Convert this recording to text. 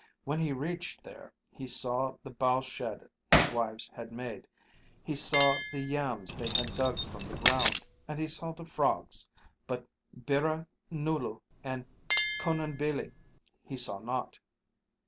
When he reached there he saw the bough shed his wives had made, he saw the yams they had dug from the ground, and he saw the frogs, but Birrahgnooloo and Cunnunbeillee he saw not.